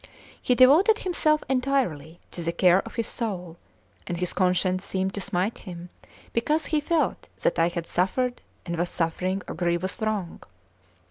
He devoted himself entirely to the care of his soul, and his conscience seemed to smite him, because he felt that I had suffered and was suffering a grievous wrong.